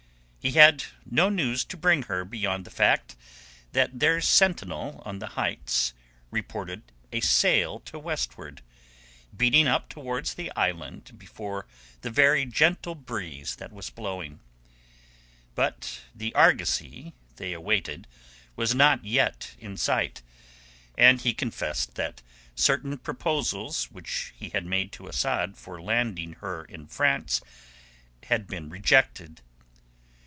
He had no news to bring her beyond the fact that their sentinel on the heights reported a sail to westward, beating up towards the island before the very gentle breeze that was blowing. But the argosy they awaited was not yet in sight, and he confessed that certain proposals which he had made to Asad for landing her in France had been rejected.